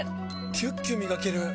キュッキュ磨ける！